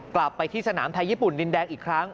กลับไปที่สนามไทยญี่ปุ่นดินแดงอีกครั้ง